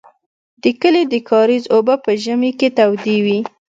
د کلي د کاریز اوبه په ژمي کې تودې وې.